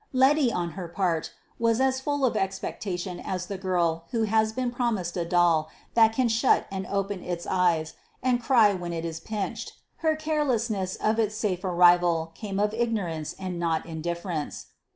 Letty, on her part, was as full of expectation as the girl who has been promised a doll that can shut and open its eyes, and cry when it is pinched; her carelessness of its safe arrival came of ignorance and not indifference.